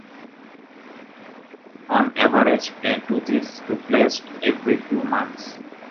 On average a tooth is replaced every few months.